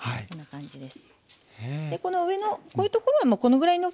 こんな感じです。